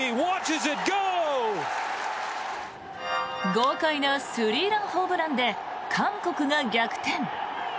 豪快なスリーランホームランで韓国が逆転。